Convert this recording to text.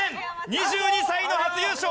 ２２歳の初優勝か？